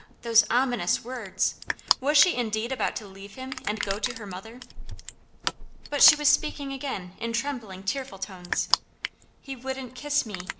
those ominous words! Was she indeed about to leave him, and go to her mother? But she was speaking again in trembling, tearful tones: "He wouldn't kiss me!